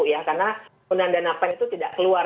karena undang undang dana pen itu tidak keluar